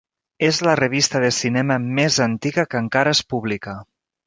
És la revista de cinema més antiga que encara es publica.